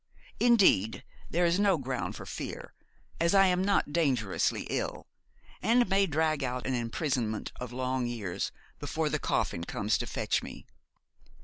Indeed, there is no ground for fear, as I am not dangerously ill, and may drag out an imprisonment of long years before the coffin comes to fetch me.